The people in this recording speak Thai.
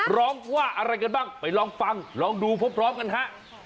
ร้องว่าอะไรกันบ้างไปลองฟังลองดูพร้อมกันฮะ